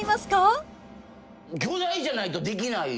巨大じゃないとできない。